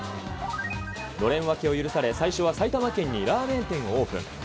のれん分けを許され、最初は埼玉県にラーメン店をオープン。